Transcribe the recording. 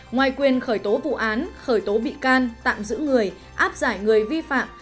ngoài quyền khởi tố vụ án khởi tố bị can tạm giữ người áp giải người vi phạm